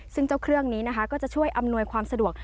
ซึ่งเจ้าเครื่องนี้นะคะก็จะช่วยอำนวยความสะดวก